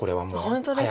本当ですか。